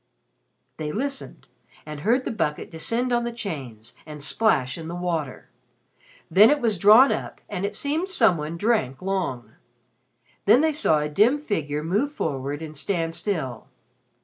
They listened and heard the bucket descend on the chains, and splash in the water. Then it was drawn up, and it seemed some one drank long. Then they saw a dim figure move forward and stand still.